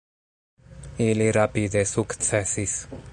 Ili rapide sukcesis.